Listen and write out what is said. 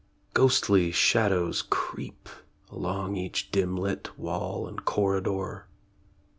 Ghostly shadows creep Along each dim lit wall and corridor.